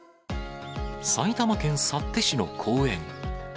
埼玉県幸手市の公園。